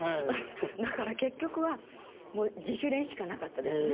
だから結局はもう自主練しかなかったですね。